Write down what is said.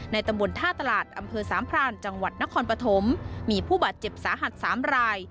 ตำบลท่าตลาดอำเภอสามพรานจังหวัดนครปฐมมีผู้บาดเจ็บสาหัส๓ราย